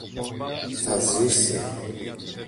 Θα ζήσει!